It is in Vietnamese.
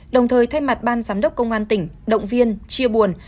đồng thời thay mặt ban giám đốc công an tỉnh động viên chia buồn